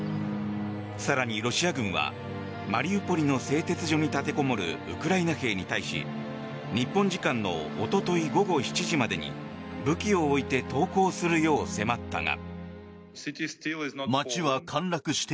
更に、ロシア軍はマリウポリの製鉄所に立てこもるウクライナ兵に対し、日本時間のおととい午後７時までに武器を置いて投降するよう迫ったが。